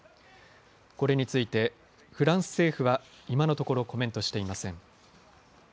これについてフランス政府は今のところコメントしていません。